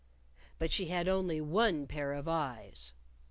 But she had only one pair of eyes.